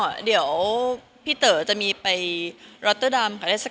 ค่ะเดี่ยวพี่เต๋อจะมีไปรัชเตอร์ดัมความต้องจำ